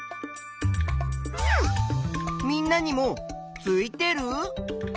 みんなにもついてる？